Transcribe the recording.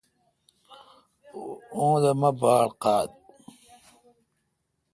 اوہ دا مہ باڑ قاد۔